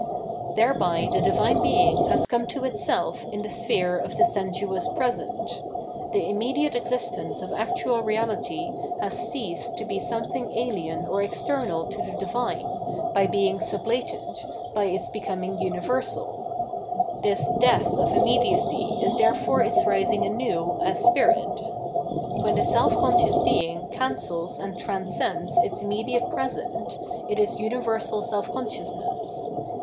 Thereby the Divine Being has come to itself in the sphere of the sensu ous present ; the immediate existence of actual reahty has ceased to be something ahen or external to the Divine, by being sublated, by its becoming universal : this death of immediacy is therefore its rising anew as Spirit. When the self conscious Being cancels and transcends its immediate present, it is universal self consciousness.